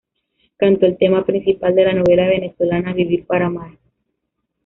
Cantó el tema principal de la novela venezolana "Vivir para amar".